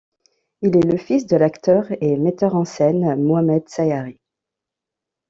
Il est le fils de l'acteur et metteur en scène Mohamed Sayari.